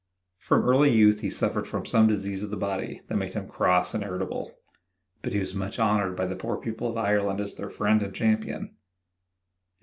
From early youth he suffered from some disease of the body that made him cross and irritable, but he was much honored by the poor people of Ireland as their friend and champion.